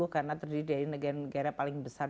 karena terdiri dari negara negara paling besar